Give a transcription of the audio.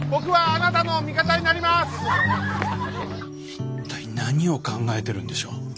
一体何を考えてるんでしょう。